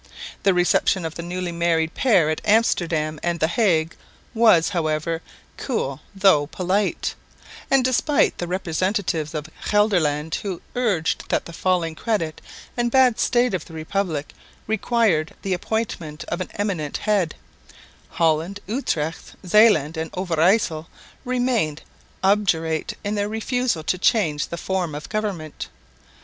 The reception of the newly married pair at Amsterdam and the Hague was, however, cool though polite; and despite the representatives of Gelderland, who urged that the falling credit and bad state of the Republic required the appointment of an "eminent head," Holland, Utrecht, Zeeland and Overyssel remained obdurate in their refusal to change the form of government.